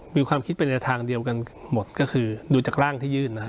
มีความคิดไปในทางเดียวกันหมดก็คือดูจากร่างที่ยื่นนะฮะ